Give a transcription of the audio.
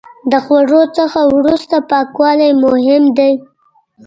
د خوړو څخه وروسته پاکوالی مهم دی.